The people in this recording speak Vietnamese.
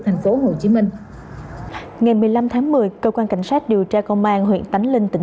thành phố hồ chí minh ngày một mươi năm tháng một mươi cơ quan cảnh sát điều tra công an huyện tánh linh tỉnh